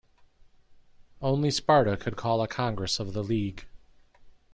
Only Sparta could call a Congress of the League.